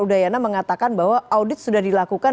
udayana mengatakan bahwa audit sudah dilakukan